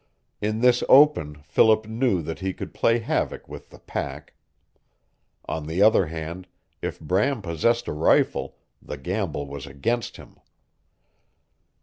In this open Philip knew that he could play havoc with the pack. On the other hand, if Bram possessed a rifle, the gamble was against him.